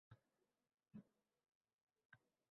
Moskvada o‘zbekistonlik yosh sportchi g‘oliblikka erishdi